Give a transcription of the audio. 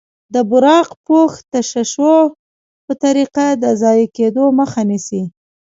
د براق پوښ تشعشع په طریقه د ضایع کیدو مخه نیسي.